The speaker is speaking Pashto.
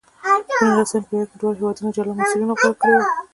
په نولسمه پېړۍ کې دواړو هېوادونو جلا مسیرونه غوره کړې وې.